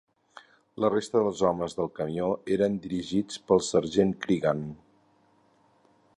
La resta dels homes del camió eren dirigits pel sergent Creegan.